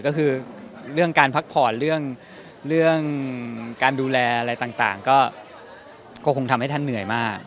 ก็คือเรื่องการพักผ่อนเรื่องการดูแลอะไรต่างก็คงทำให้ท่านเหนื่อยมาก